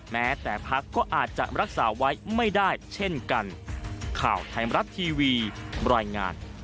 แม้แต่พักก็อาจจะรักษาไว้ไม่ได้เช่นกัน